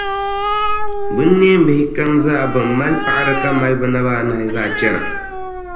Binneembihi kam zaa bɛn mali paɣiri ka mali bɛ naba anahi zaa chana.